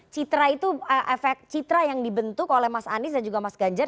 citra itu efek citra yang dibentuk oleh mas anies dan juga mas ganjar